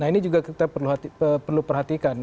nah ini juga kita perlu perhatikan